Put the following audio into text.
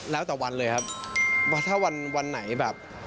แล้วแต่วันเลยครับว่าถ้าวันไหนแบบ